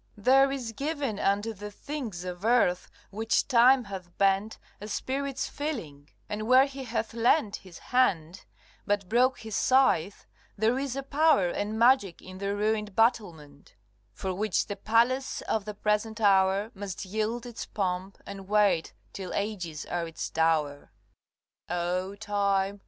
There is given Unto the things of earth, which Time hath bent, A spirit's feeling, and where he hath leant His hand, but broke his scythe, there is a power And magic in the ruined battlement, For which the palace of the present hour Must yield its pomp, and wait till ages are its dower. CXXX. O Time!